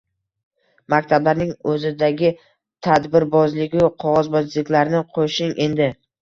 Maktablarning o‘zidagi tadbirbozligu qog‘ozbozliklarni qo‘shing endi.